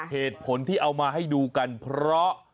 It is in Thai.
เหตุผลที่เอามาให้ดูกันเพราะ